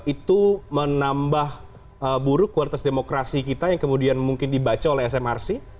itu menambah buruk kualitas demokrasi kita yang kemudian mungkin dibaca oleh smrc